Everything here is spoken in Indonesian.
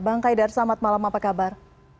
bang haidar selamat malam apa kabar